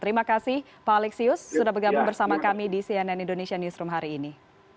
terima kasih pak alexius sudah bergabung bersama kami di cnn indonesia newsroom hari ini